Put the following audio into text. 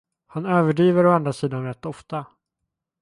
Han överdriver å andra sidan rätt ofta.